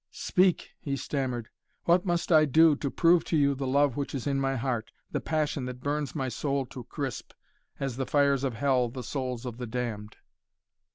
"Speak," he stammered, "what must I do to prove to you the love which is in my heart the passion that burns my soul to crisp, as the fires of hell the souls of the damned?"